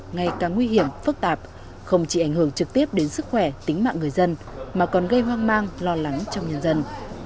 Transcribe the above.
ngày càng nguy hiểm phức tạp không chỉ ảnh hưởng trực tiếp đến sức khỏe tính mạng người dân mà còn gây hoang mang lo lắng trong nhân dân